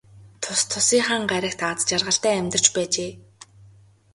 Тус тусынхаа гаригт аз жаргалтай амьдарч байжээ.